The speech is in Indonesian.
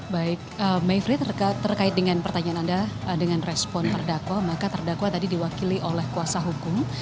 baik mayfrey terkait dengan pertanyaan anda dengan respon terdakwa maka terdakwa tadi diwakili oleh kuasa hukum